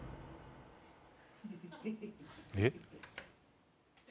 えっ？